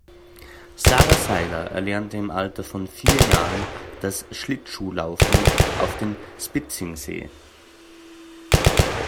Sara Seiler erlernte im Alter von vier Jahren das Schlittschuhlaufen auf dem Spitzingsee.